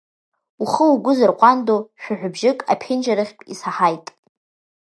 Ухы-угәы зырҟәандо шәаҳәабжьык аԥенџьыр ахьтә исаҳаит.